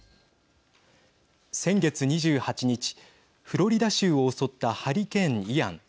先月２８日フロリダ州を襲ったハリケーン、イアン。